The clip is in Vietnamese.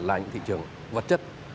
là những thị trường vật chất